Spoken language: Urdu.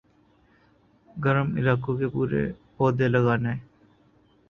گرم علاقوں کے پودے لگانے